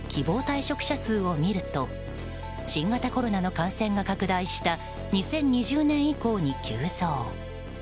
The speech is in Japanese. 退職者数を見ると新型コロナの感染が拡大した２０２０年以降に急増。